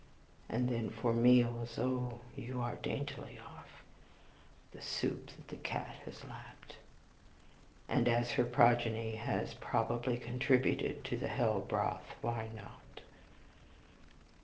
And then for meals Oh you are daintily off! The soup that the cat has lapped; and (as her progeny has probably contributed to the hell broth) why not?